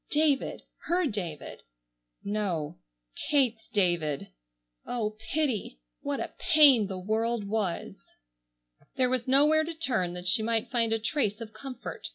David, her David—no, Kate's David! Oh, pity! What a pain the world was! There was nowhere to turn that she might find a trace of comfort.